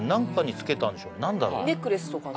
ネックレスとかの？